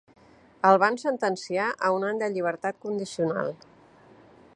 El van sentenciar a un any de llibertat condicional.